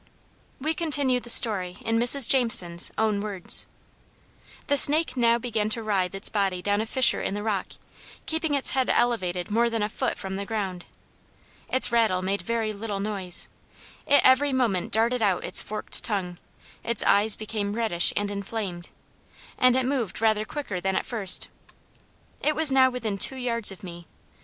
We continue the story in Mrs. Jameson's own words: "The snake now began to writhe its body down a fissure in the rock, keeping its head elevated more than a foot from the ground. Its rattle made very little noise. It every moment darted out its forked tongue, its eyes became reddish and inflamed, and it moved rather quicker than at first. It was now within two yards of me.